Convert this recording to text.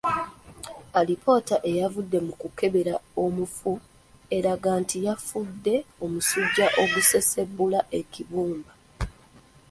Alipoota eyavudde mu kukebera omufu eraga nti yafudde omusujja ogusesebbula ekibumba.